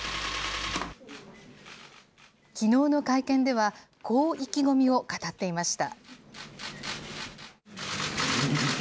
きのうの会見では、こう意気込みを語っていました。